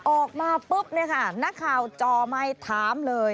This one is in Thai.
ออกมาปุ๊บนักข่าวจอไมค์ถามเลย